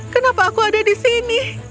kenapa aku ada di sini